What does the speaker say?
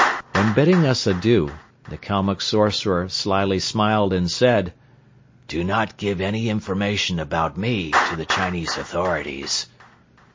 When bidding us adieu, the Kalmuck sorcerer slyly smiled and said: "Do not give any information about me to the Chinese authorities."